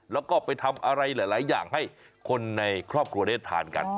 แล้วก็ไปทำอะไรหลายอย่างให้คนในครอบครัวได้ทานกัน